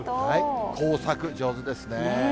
工作、上手ですね。